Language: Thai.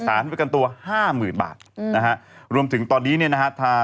สารให้เป็นการตัว๕๐๐๐๐บาทนะฮะรวมถึงตอนนี้เนี่ยนะฮะ